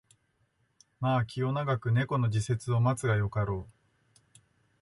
まあ気を永く猫の時節を待つがよかろう